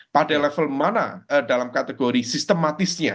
pada level mana dalam kategori sistematisnya